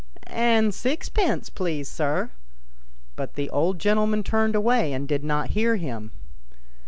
" And sixpence, please, sir." But the old gentle man turned away, and did not hear him.